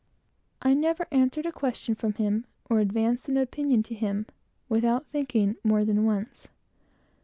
I never answered a question from him, or advanced an opinion to him, without thinking more than once.